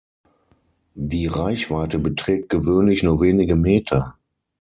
Die Reichweite beträgt gewöhnlich nur wenige Meter.